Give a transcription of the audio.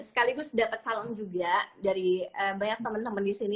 sekaligus dapat salam juga dari banyak teman teman di sini